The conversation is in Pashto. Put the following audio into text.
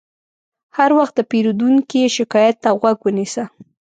هر وخت د پیرودونکي شکایت ته غوږ ونیسه.